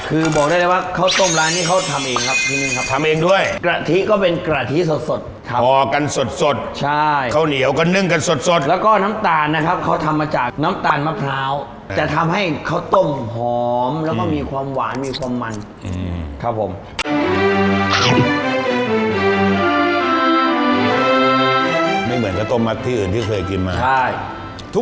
อืมเดินเข้ามาถามเอ่อเฮ้ยเฮ้ยเฮ้ยชิ๋ใส่ข้าวต้มมัตต์